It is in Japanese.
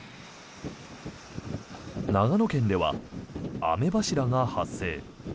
長野県では雨柱が発生。